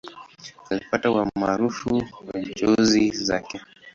Alipata umaarufu kwa njozi zake.